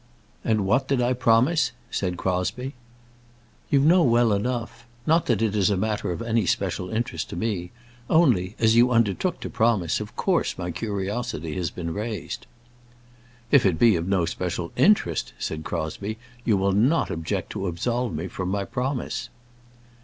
"And what did I promise?" said Crosbie. "You know well enough. Not that it is a matter of any special interest to me; only, as you undertook to promise, of course my curiosity has been raised." "If it be of no special interest," said Crosbie, "you will not object to absolve me from my promise."